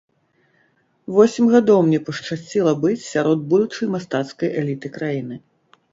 Восем гадоў мне пашчасціла быць сярод будучай мастацкай эліты краіны.